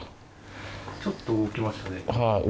ちょっと動きましたね。